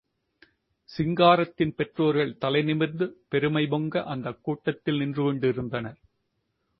சிங்காரத்தின் பெற்றோர்கள் தலை நிமிர்ந்து, பெருமை பொங்க அந்தக் கூட்டத்தில் நின்று கொண்டிருந்தனர்.